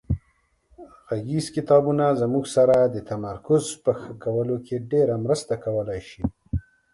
غږیز کتابونه زموږ سره د تمرکز په ښه کولو کې ډېره مرسته کولای شي.